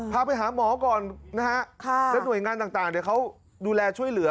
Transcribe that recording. พาไปหาหมอก่อนนะฮะแล้วหน่วยงานต่างเขาดูแลช่วยเหลือ